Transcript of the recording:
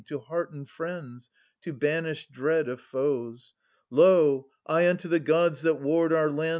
To hearten friends, to banish dread of foes. 270 Lo, I unto the Gods that ward our land.